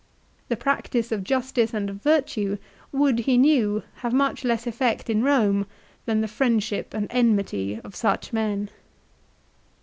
The practice of justice and of virtue would, he knew, have much less effect in Borne than the friendship and enmity of such men.